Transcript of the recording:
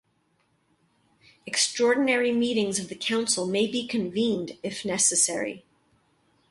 Extraordinary meetings of the Council may be convened if necessary.